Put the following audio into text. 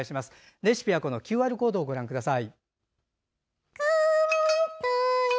レシピはこのＱＲコードをご覧ください。